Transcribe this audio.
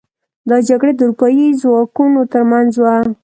دا جګړه د اروپايي ځواکونو تر منځ وه.